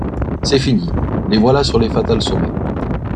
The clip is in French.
C’est fini ; les voilà sur les fatals sommets